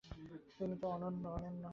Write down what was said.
তুমি তো অনন্য।